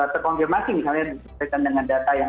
terkonfirmasi misalnya dengan data yang